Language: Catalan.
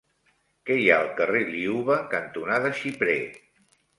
Què hi ha al carrer Liuva cantonada Xiprer?